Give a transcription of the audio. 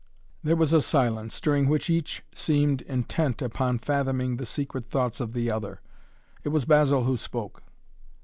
There was a silence during which each seemed intent upon fathoming the secret thoughts of the other. It was Basil who spoke.